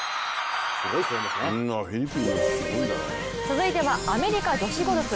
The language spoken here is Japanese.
続いてはアメリカ女子ゴルフ。